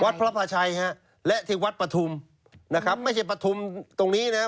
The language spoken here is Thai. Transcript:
วัดพระพระชัยฮะและที่วัดประทุมนะครับไม่ใช่ประทุมตรงนี้นะครับ